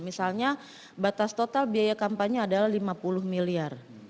misalnya batas total biaya kampanye adalah lima puluh miliar